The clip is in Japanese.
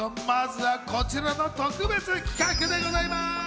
まずはこちらの特別企画です。